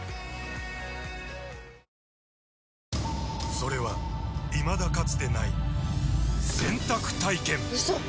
それはいまだかつてない洗濯体験‼うそっ！